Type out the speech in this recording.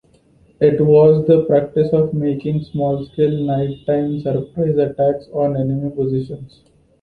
It was the practice of making small scale night-time surprise attacks on enemy positions.